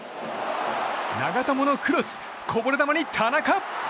長友のクロスこぼれ球に田中！